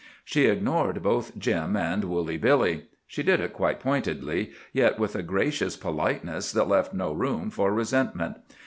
She ignored both Jim and Woolly Billy. She did it quite pointedly, yet with a gracious politeness that left no room for resentment.